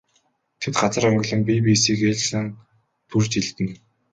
Тэд газар онгилон бие биесийг ээлжлэн түрж элдэнэ.